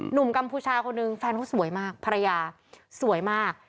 กัมพูชาคนหนึ่งแฟนเขาสวยมากภรรยาสวยมาก